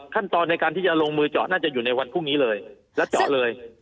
ขั้นตอนในการที่จะลงมือเจาะน่าจะอยู่ในวันพรุ่งนี้เลยแล้วเจาะเลย